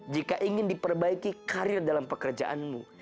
jika ingin diperbaiki karir dalam pekerjaanmu